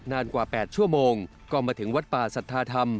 นานกว่า๘ชั่วโมงก็มาถึงวัดป่าสัทธาธรรม